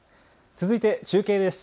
続いて中継です。